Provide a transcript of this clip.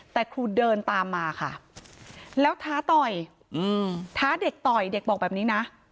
แต่ครูเดินตามมาค่ะแล้วท้าต่อยท้าเด็กต่อยเด็กบอกแบบนี้นะ